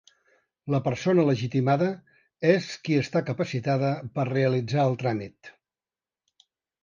La persona legitimada és qui està capacitada per realitzar el tràmit.